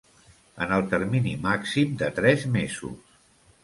En el termini màxim de tres mesos.